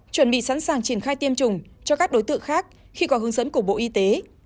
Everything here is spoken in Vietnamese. chuẩn bị sẵn sàng triển khai tiêm chủng cho các đối tượng khác khi có hướng dẫn của bộ y tế